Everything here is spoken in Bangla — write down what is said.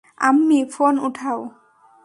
আম্মি, ফোন উঠাও!